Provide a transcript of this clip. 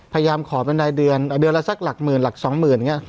พยายามขอเป็นรายเดือนเดือนละสักหลักหมื่นหลักสองหมื่นอย่างนี้